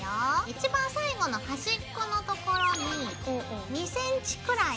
一番最後の端っこの所に２ｃｍくらい。